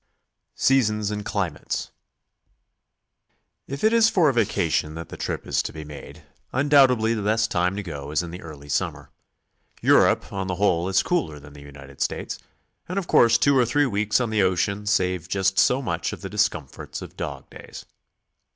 SEASONS AND CLIMATES. If it is for a vacation that the trip is to be made, un doubtedly the best time to go is in the early summer. Europe on the whole is cooler than the United States, and of course two or three weeks on the ocean save just so much of the discomforts of dog days.